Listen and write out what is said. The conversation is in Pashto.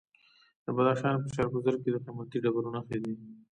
د بدخشان په شهر بزرګ کې د قیمتي ډبرو نښې دي.